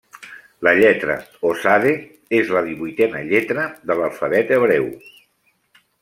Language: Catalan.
La lletra o tsade és la divuitena lletra de l'alfabet hebreu.